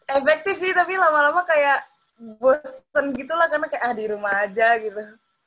efektif sih tapi lama lama kayak bosen gitu lah karena kayak ah di rumah aja gitu